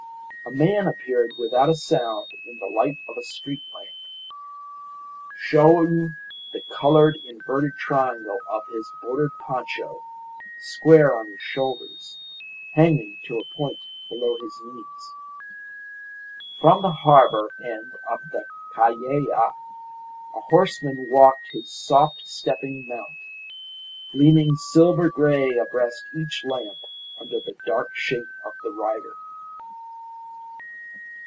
A man appeared without a sound in the light of a street lamp, showing the coloured inverted triangle of his bordered poncho, square on his shoulders, hanging to a point below his knees. From the harbour end of the Calle a horseman walked his soft stepping mount, gleaming silver grey abreast each lamp under the dark shape of the rider.